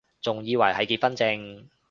仲以為係結婚証